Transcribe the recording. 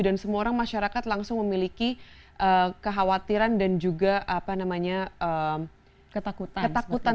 dan semua orang masyarakat langsung memiliki kekhawatiran dan juga ketakutan